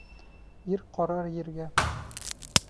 Ир ҡарар ергә.